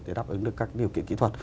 để đáp ứng được các điều kiện kỹ thuật